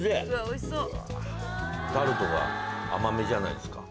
タルトが甘めじゃないですか。